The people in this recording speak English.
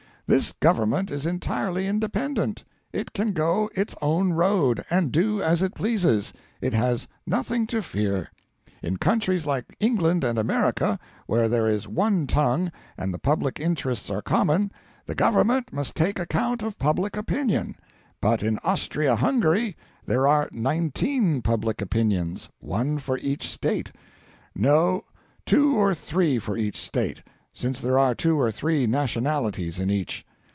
This Government is entirely independent. It can go its own road, and do as it pleases; it has nothing to fear. In countries like England and America, where there is one tongue and the public interests are common, the Government must take account of public opinion; but in Austria Hungary there are nineteen public opinions one for each state. No two or three for each state, since there are two or three nationalities in each.